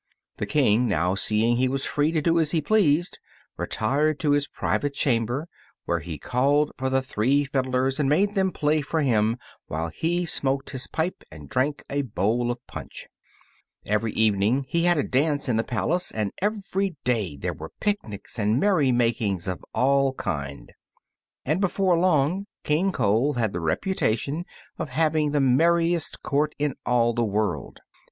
The King, now seeing he was free to do as he pleased, retired to his private chamber, where he called for the three fiddlers and made them play for him while he smoked his pipe and drank a bowl of punch. Every evening he had a dance in the palace, and every day there were picnics and merry makings of all kinds, and before long King Cole had the reputation of having the merriest court in all the world.